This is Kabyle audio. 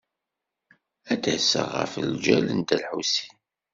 Ad d-aseɣ ɣef ljal n Dda Lḥusin.